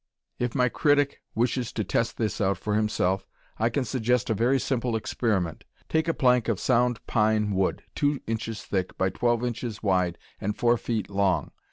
If my critic wishes to test this out for himself, I can suggest a very simple experiment. Take a plank of sound pine wood, two inches thick by twelve inches wide and four feet long.